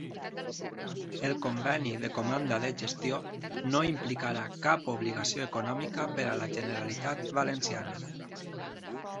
El conveni de comanda de gestió no implicarà cap obligació econòmica per la Generalitat Valenciana.